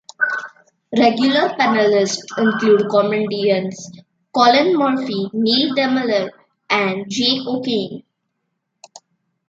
Regular panellists include comedians Colin Murphy, Neil Delamere, and Jake O'Kane.